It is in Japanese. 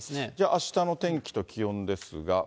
あしたの天気と気温ですが。